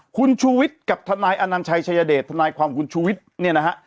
คุณชูวิทย์กับทนายอนัญชัยชายเดชทนายความคุณชูวิทย์เนี่ยนะฮะ